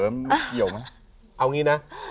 มันไม่เกี่ยวมั้ย